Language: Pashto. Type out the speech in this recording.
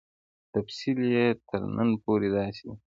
تفصیل یې تر نن پورې داسې دی.